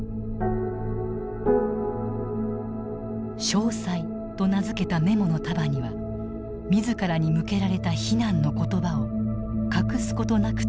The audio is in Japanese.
「詳細」と名付けたメモの束には自らに向けられた非難の言葉を隠すことなくつづっていた。